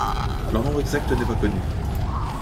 Leur nombre exact n'est pas connu.